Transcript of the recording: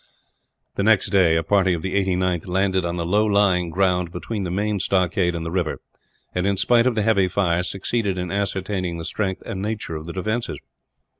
The next day a party of the 89th landed on the low lying ground between the main stockade and the river and, in spite of the heavy fire, succeeded in ascertaining the strength and nature of the defences.